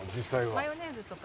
マヨネーズとか。